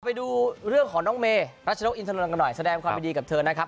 ไปดูเรื่องของน้องเมรัชนกอินทรนกันหน่อยแสดงความยินดีกับเธอนะครับ